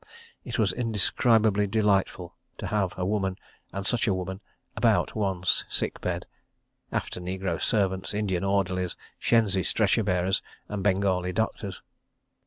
It was indescribably delightful to have a woman, and such a woman, about one's sick bed—after negro servants, Indian orderlies, shenzi stretcher bearers, and Bengali doctors.